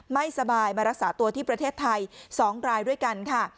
ไม่สบายมารักษาตัวที่ประเทศไทย๒รายด้วยกันค่ะ